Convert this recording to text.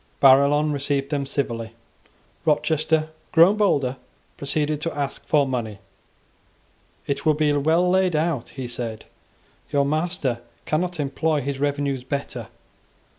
Barillon received them civilly. Rochester, grown bolder, proceeded to ask for money. "It will be well laid out," he said: "your master cannot employ his revenues better.